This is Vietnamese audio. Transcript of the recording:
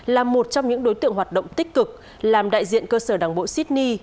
là một trong những đối tượng hoạt động tích cực làm đại diện cơ sở đảng bộ sydney